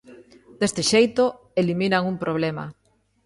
Deste xeito, eliminan un problema.